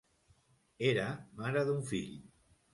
Era mare d’un fill.